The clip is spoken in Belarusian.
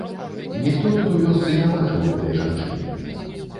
Ніхто тут у вёсцы не бачыў гэтай жанчыны.